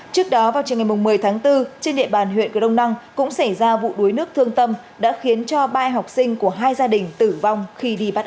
trước đó vào trường ngày một mươi tháng bốn trên địa bàn huyện grong năng cũng xảy ra vụ đuối nước thương tâm đã khiến cho ba em học sinh của hai gia đình tử vong khi đi bắt